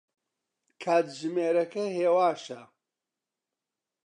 کاتژمێرەکە هێواشە.